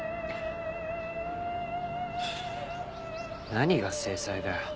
何が制裁だよ。